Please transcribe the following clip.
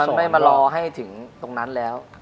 มันไม่มารอให้ถึงตรงนั้นแล้ว